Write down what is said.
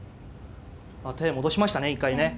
手戻しましたね一回ね。